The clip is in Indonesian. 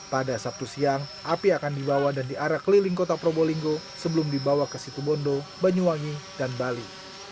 pada sabtu siang api akan dibawa dan diarak keliling kota probolinggo sebelum dibawa ke situbondo banyuwangi dan bali